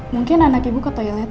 mungkin anak ibu ke toilet